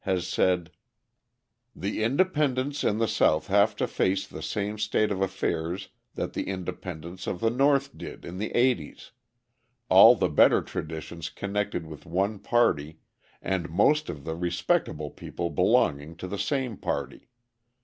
has said: "The independents in the South have to face the same state of affairs that the independents of the North did in the '80's all the better traditions connected with one party, and most of the respectable people belonging to the same party.